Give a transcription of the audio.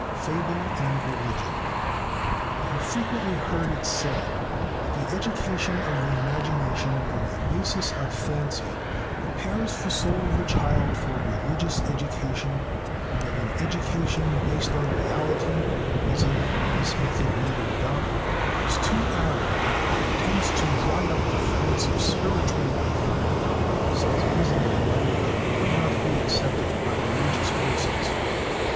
=Fable and religion=. I have frequently heard it said that the education of the imagination on a basis of fancy prepares the soul of the child for religious education; and that an education based on "reality," as in this method we would adopt, is too arid, and tends to dry up the founts of spiritual life. Such reasoning, however, will not be accepted by religious persons.